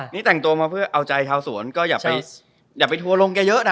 นี่แต่งตัวมาเพื่อเอาใจชาวสวนก็อย่าไปทัวร์ลงแกเยอะนะ